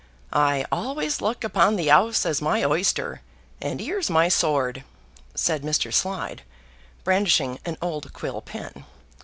"I always look upon the 'Ouse as my oyster, and 'ere's my sword," said Mr. Slide, brandishing an old quill pen.